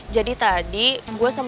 jadi tadi gue sama nek nek nek